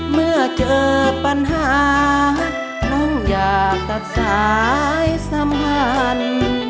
เมื่อเจอปัญหาน้องอยากตัดสายสัมพันธ์